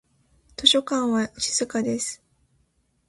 図書館は静かです。